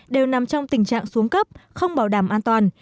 đều nằm trong tình trạng xuống cấp không bảo đảm an toàn